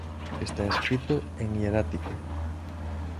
Está escrito en hierático.